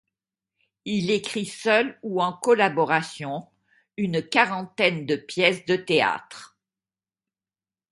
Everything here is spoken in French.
Il écrit, seul ou en collaboration, une quarantaine de pièces de théâtre.